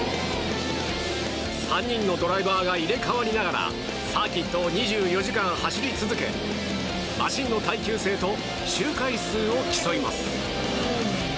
３人のドライバーが入れ替わりながらサーキットを２４時間走り続けマシンの耐久性と周回数を競います。